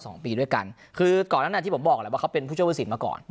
สองปีด้วยกันคือก่อนนั้นที่ผมบอกแหละว่าเขาเป็นผู้ช่วยผู้สินมาก่อน